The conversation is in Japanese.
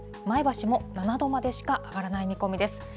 前橋も７度までしか上がらない見込みです。